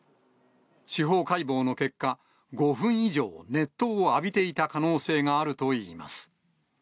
司法解剖の結果、５分以上熱湯を浴びていた可能性があるといいます。